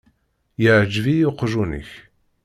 Iεgeb-iyi uqjun-ik.